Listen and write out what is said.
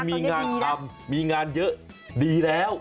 มีงานทำมีงานเยอะดีแล้ว